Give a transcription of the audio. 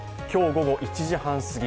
午後１時半すぎ